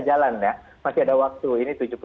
jalan ya masih ada waktu ini